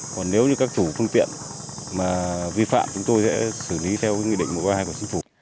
còn nếu như các chủ phương tiện vi phạm chúng tôi sẽ xử lý theo quy định một trăm ba mươi hai của sư phụ